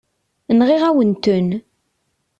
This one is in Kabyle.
Nɣiɣ-awen-ten.